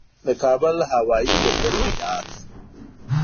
د کابل هوایي ډګر مې یاد شو.